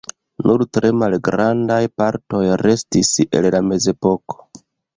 Nur tre malgrandaj partoj restis el la mezepoko.